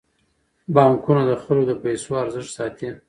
بانکونه د خلکو د پيسو ارزښت ساتي.